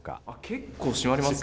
結構締まりますね。